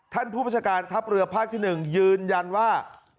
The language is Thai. ท่านผู้ประชาการทัพเรือภาคที่๑ยืนยันว่า